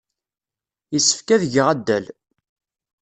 Yessefk ad geɣ addal.